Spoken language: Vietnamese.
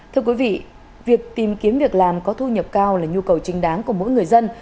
thưa quý vị việc tìm kiếm việc làm có thu nhập cao là nhu cầu chính đáng của mỗi người dân